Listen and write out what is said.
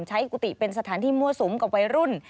กุฏิเป็นสถานที่มั่วสุมกับวัยรุ่น